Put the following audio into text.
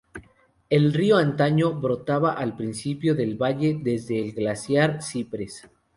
El río antaño brotaba al principio del valle desde el Glaciar Cipreses.